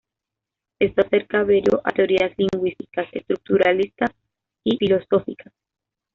Esto acerca a Berio a teorías lingüísticas, estructuralistas y filosóficas.